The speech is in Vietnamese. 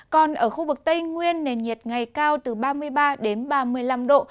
còn ở khu vực tây nguyên nền nhiệt ngày cao từ ba mươi ba đến ba mươi năm độ